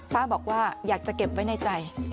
ป้าบอกว่าอยากจะเก็บไว้ในใจ